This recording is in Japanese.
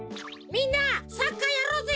みんなサッカーやろうぜ。